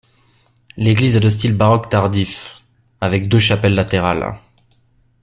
L'église est de style baroque tardif, avec deux chapelles latérales.